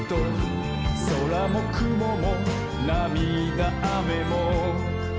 「そらもくももなみだあめも」